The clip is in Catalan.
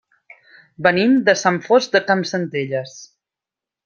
Venim de Sant Fost de Campsentelles.